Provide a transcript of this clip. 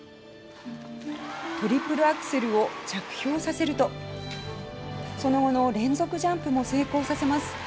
トリプルアクセルを着氷させるとその後の連続ジャンプも成功させます。